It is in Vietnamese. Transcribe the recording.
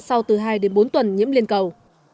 sau từ hai đến bốn tuần nhiễm liên cầu